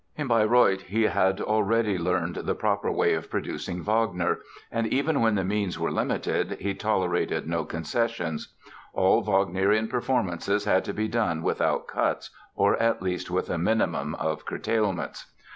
In Bayreuth he had already learned the proper way of producing Wagner, and even when the means were limited, he tolerated no concessions; all Wagnerian performances had to be done without cuts or at least with a minimum of curtailments.